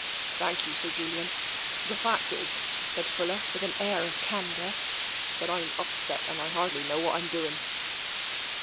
" Thank you, Sir Julian. The fact is," said Fuller, with an air of candour, " that I'm upset and I hardly know what I'm doing."